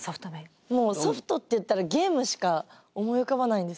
ソフトっていったらゲームしか思い浮かばないんです。